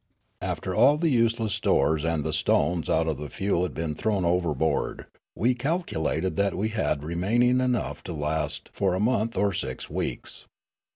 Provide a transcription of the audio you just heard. '' After all the useless stores and the stones out of the The Voyage Continued 357 fuel had been thrown overboard, we calculated that we had remaining enough to last for a month or six wrecks.